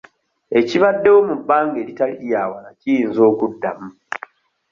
Ekibaddewo mu bbanga eritali lya wala kiyinza okuddamu.